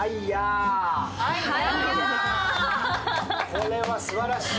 これはすばらしい！